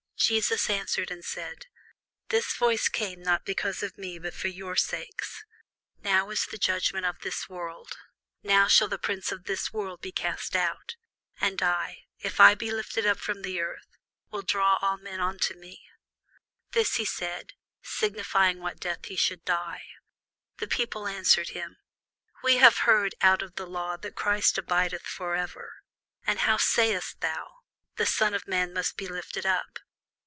Jesus answered and said, This voice came not because of me, but for your sakes. Now is the judgment of this world: now shall the prince of this world be cast out. And I, if I be lifted up from the earth, will draw all men unto me. This he said, signifying what death he should die. The people answered him, We have heard out of the law that Christ abideth for ever: and how sayest thou, The Son of man must be lifted up?